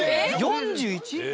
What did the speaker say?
４１？